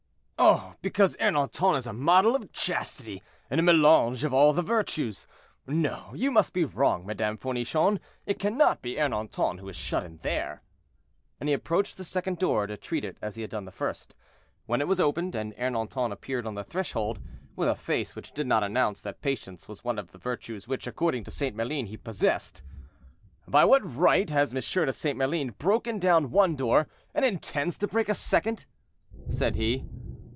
"Oh! because Ernanton is a model of chastity and a melange of all the virtues. No, you must be wrong, Madame Fournichon; it cannot be Ernanton who is shut in there." And he approached the second door, to treat it as he had done the first, when it was opened, and Ernanton appeared on the threshold, with a face which did not announce that patience was one of the virtues which, according to St. Maline, he possessed. "By what right has M. de St. Maline broken down one door, and intends to break a second?" said he.